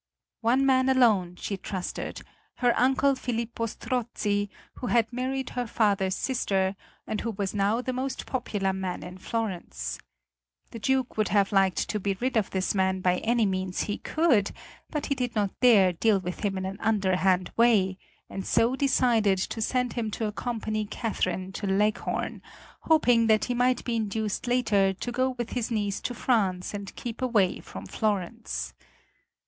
One man alone she trusted, her uncle Filippo Strozzi, who had married her father's sister, and who was now the most popular man in Florence. The Duke would have liked to be rid of this man by any means he could, but he did not dare deal with him in an underhand way, and so decided to send him to accompany Catherine to Leghorn, hoping that he might be induced later to go with his niece to France and keep away from Florence.